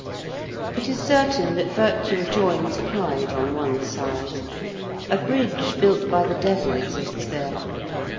It is certain that virtue adjoins pride on one side. A bridge built by the devil exists there.